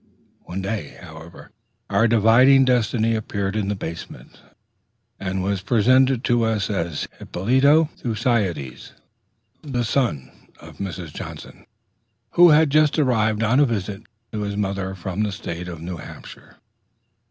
One day, however, our dividing destiny appeared in the basement, and was presented to us as Hippolyto Thucydides, the son of Mrs. Johnson, who had just arrived on a visit to his mother from the State of New Hampshire.